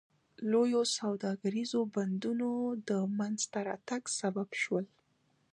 لویو سوداګریزو بندرونو د منځته راتګ سبب شول.